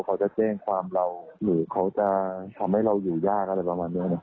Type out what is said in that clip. เขาจะแจ้งความเราหรือเขาจะทำให้เราอยู่ยากอะไรประมาณนี้